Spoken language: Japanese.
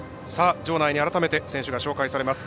場内に改めて選手が紹介されます。